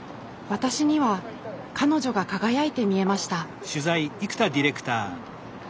私には彼女が輝いて見えました。